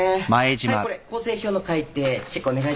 はいこれ構成表の改訂チェックお願いします。